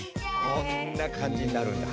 こんな感じになるんだ。